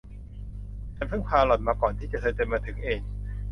ฉันเพิ่งพาหล่อนมาก่อนที่เธอจะมาถึงเอง